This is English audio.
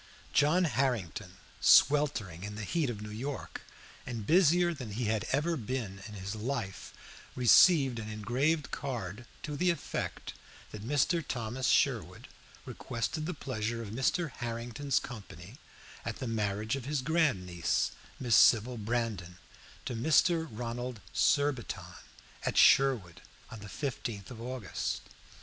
John Harrington, sweltering in the heat of New York, and busier than he had ever been in his life, received an engraved card to the effect that Mr. Thomas Sherwood requested the pleasure of Mr. Harrington's company at the marriage of his grandniece, Miss Sybil Brandon, to Mr. Ronald Surbiton, at Sherwood, on the 15th of August.